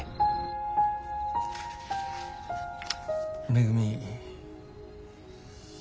めぐみ。